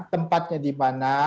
tempatnya di mana